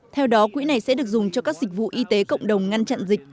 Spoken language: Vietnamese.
theo đó quỹ này sẽ được dùng cho các dịch vụ y tế cộng đồng ngăn chặn dịch